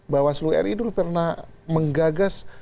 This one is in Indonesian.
bawaslu ri dulu pernah menggagas